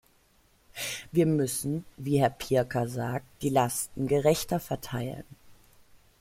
Wir müssen, wie Herr Pirker sagt, die Lasten gerechter verteilen.